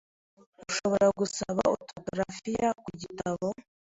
Ushobora gusaba autografiya iki gitabo?